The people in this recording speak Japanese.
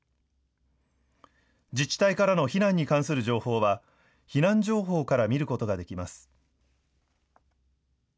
自治体からの避難に関する情報は避難情報から見ることができます。